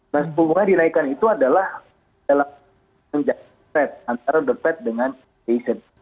mas bunganya dinaikkan itu adalah antara the fed dengan kcb